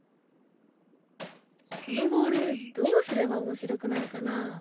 このボールどうすれば面白くなるかな？